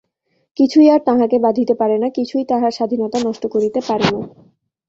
কিছুই আর তাঁহাকে বাঁধিতে পারে না, কিছুই তাঁহার স্বাধীনতা নষ্ট করিতে পারে না।